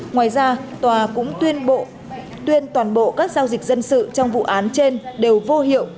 ngoài ra tòa cũng tuyên toàn bộ các giao dịch dân sự trong vụ án trên đều vô hiệu